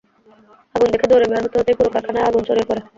আগুন দেখে দৌড়ে বের হতে হতেই পুরো কারখানায় আগুন ছড়িয়ে পড়ে।